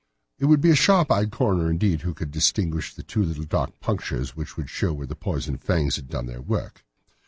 It would be a sharp eyed coroner, indeed, who could distinguish the two little dark punctures which would show where the poison fangs had done their work.